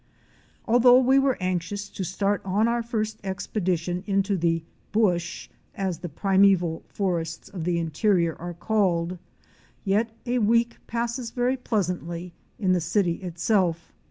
Although we are anxious to start on our first expedition into the "bush," as the primeval forests of the interior are called, yet a week passes very pleasantly in the city itself.